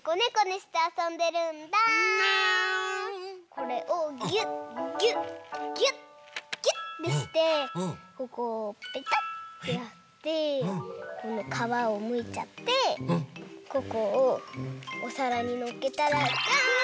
これをギュッギュッギュッギュッてしてここをペタッてやってこのかわをむいちゃってここをおさらにのっけたらじゃん！